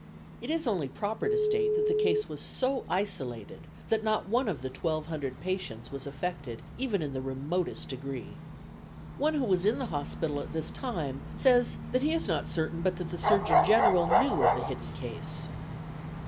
It is only proper to state that the case was so isolated that not one of the twelve hundred patients was affected even in the remotest degree. One who was in the hospital at this time says that he is not certain but that the Surgeon General knew of the hidden case.